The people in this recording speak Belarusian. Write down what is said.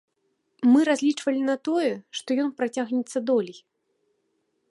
Мы разлічвалі на тое, што ён працягнецца долей.